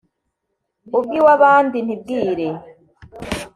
Ubw'iwabandi ntibwire